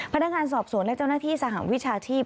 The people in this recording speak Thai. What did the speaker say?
พนักงานสอบสวนและเจ้าหน้าที่สหวิชาชีพ